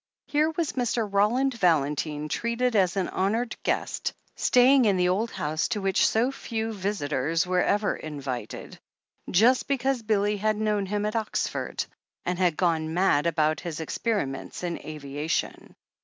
Here was Mr. Roland Valentine treated as an honoured guest, sta3ring in the old house to which so few visitors were ever invited, just be cause Billy had known him at Oxford, and had gone 356 THE HEEL OF ACHILLES 357 mad about his experiments in aviation.